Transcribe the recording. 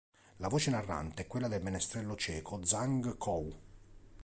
La voce narrante è quella del menestrello cieco Zhang Kou.